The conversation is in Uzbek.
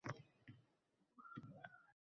Аyol boshi bilan dunyoni